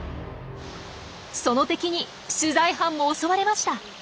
その敵に取材班も襲われました！